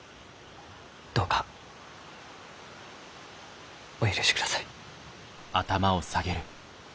どうかお許しください。